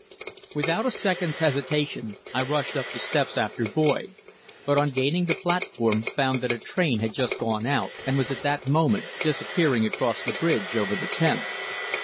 Without a second's hesitation I rushed up the steps after Boyd, but on gaining the platform found that a train had just gone out, and was at that moment disappearing across the bridge over the Thames.